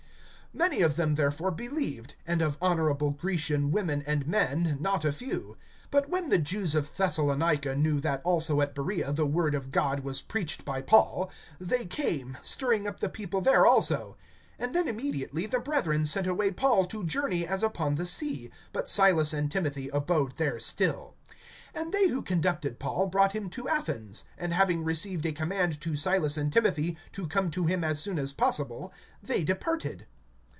(12)Many of them therefore believed; and of honorable Grecian women and men, not a few. (13)But when the Jews of Thessalonica knew that also at Beroea the word of God was preached by Paul, they came, stirring up the people there also. (14)And then immediately the brethren sent away Paul to journey as upon the sea; but Silas and Timothy abode there still. (15)And they who conducted Paul brought him to Athens; and having received a command to Silas and Timothy to come to him as soon as possible, they departed.